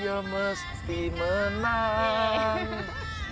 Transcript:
ya mesti menang